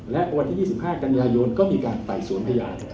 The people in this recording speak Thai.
และวันที่๒๕กันยายนก็มีการไต่สวนพยาน